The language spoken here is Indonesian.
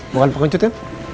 bukan pengecut ya